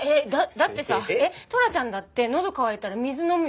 だってさトラちゃんだってのど渇いたら水飲むよね？